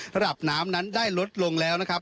ระดับน้ำนั้นได้ลดลงแล้วนะครับ